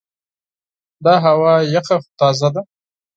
دا هوا یخه خو تازه ده.